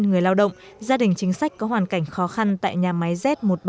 người lao động gia đình chính sách có hoàn cảnh khó khăn tại nhà máy z một trăm ba mươi